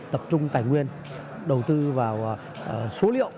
tập trung tài nguyên đầu tư vào số liệu